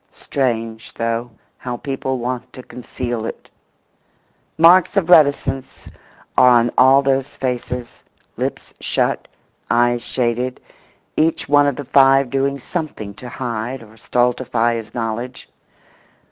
Strange, though, how people want to conceal it! Marks of reticence are on all those faces: lips shut, eyes shaded, each one of the five doing something to hide or stultify his knowledge.